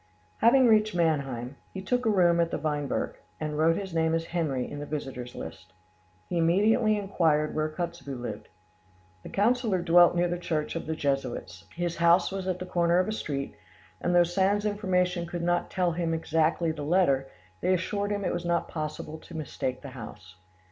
Having reached Mannheim, he took a room at the Weinberg, and wrote his name as "Henry" in the visitors' list. He immediately inquired where Kotzebue lived. The councillor dwelt near the church of the Jesuits; his house was at the corner of a street, and though Sand's informants could not tell him exactly the letter, they assured him it was not possible to mistake the house.